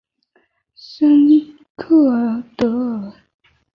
圣阿勒克桑德尔。